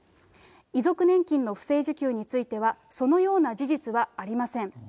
遺族年金の不正受給については、そのような事実はありません。